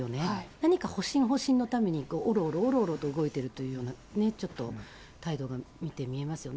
何か保身、保身のために、おろおろおろおろと動いているという、ちょっと態度が見て見えますよね。